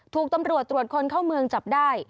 ถูกตำรวจตรวจคนเข้าเมืองจับได้